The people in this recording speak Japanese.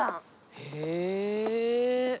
へえ。